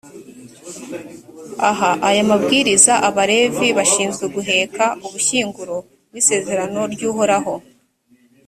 aha aya mabwiriza abalevi bashinzwe guheka ubushyinguro bw’isezerano ry’uhoraho,